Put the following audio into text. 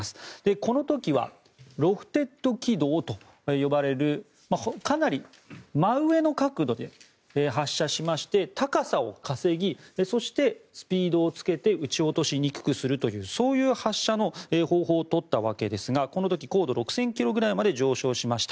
この時はロフテッド軌道と呼ばれるかなり真上の角度で発射しまして高さを稼ぎそして、スピードをつけて撃ち落としにくくするというそういう発射の方法を取ったわけですがこの時高度６０００ｋｍぐらいまで上昇しました。